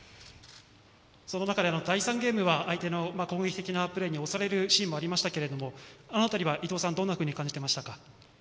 その中で、第３ゲームは相手の攻撃的なプレーに押されるシーンもありましたけどあの辺りは伊藤さんどんなふうに感じていましたか？